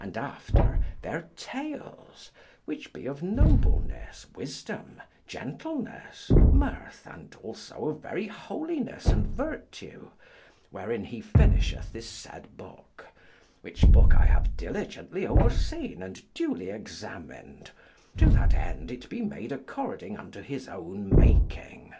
And after their tales which be of nobleness, wisdom, gentleness, mirth and also of very holiness and virtue, wherein he finisheth this said book, which book I have diligently overseen and duly examined, to that end it be made according unto his own making.